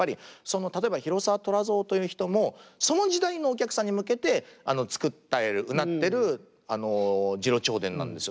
例えば広沢虎造という人もその時代のお客さんに向けて作ったりうなってる「次郎長伝」なんですよ。